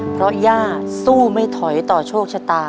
เพราะย่าสู้ไม่ถอยต่อโชคชะตา